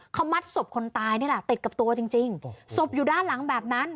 เขามัดศพคนตายนี่แหละติดกับตัวจริงจริงศพอยู่ด้านหลังแบบนั้น